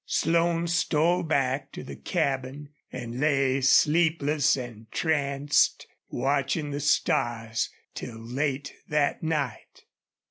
Slone stole back to the cabin and lay sleepless and tranced, watching the stars, till late that night.